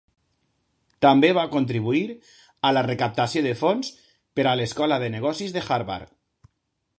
També va contribuir a la recaptació de fons per a l'Escola de negocis de Harvard.